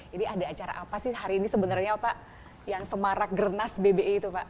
jadi ada acara apa sih hari ini sebenarnya pak yang semarak gernas bbi itu pak